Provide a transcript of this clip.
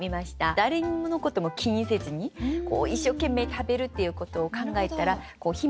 誰のことも気にせずに一生懸命食べるっていうことを考えたらこう飛沫。